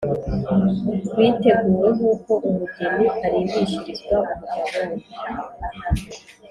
rwiteguwe nk’uko umugeni arimbishirizwa umugabo we.